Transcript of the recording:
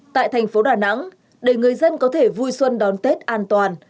tại thành phố đà nẵng để người dân có thể vui xuân đón tết an toàn